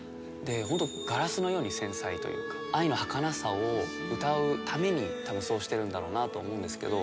本当にガラスのように繊細というか愛のはかなさを歌うためにたぶんそうしていると思うんですけれども。